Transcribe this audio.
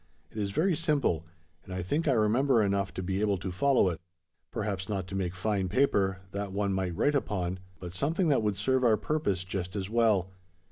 It is very simple; and I think I remember enough to be able to follow it. Perhaps not to make fine paper, that one might write upon; but something that would serve our purpose just as well.